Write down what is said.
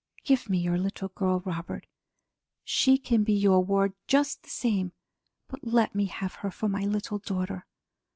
Give me your little girl, Robert! She can be your ward just the same, but let me have her for my little daughter.